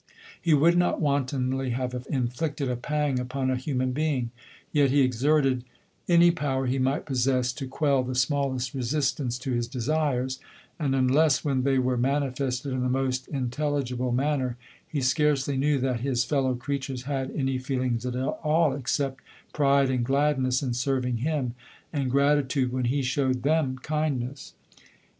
He would not wantonly have inflicted a pang upon a human being ; yet he exerted any power he might possess to quell the smallest resistance to his desires; and unless when they were manifested in the most intelligible manner, lie scarcely knew that his fellow creatures had any feelings at all, except pride and gladness in serving him, and grati tude when he showed them kindness.